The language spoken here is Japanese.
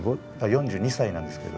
４２歳なんですけど。